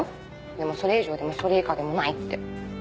でも「それ以上でもそれ以下でもない」って。